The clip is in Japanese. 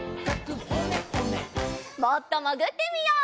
もっともぐってみよう。